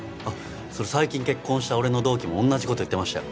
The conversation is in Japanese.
それ最近結婚した俺の同期も同じこと言ってましたよ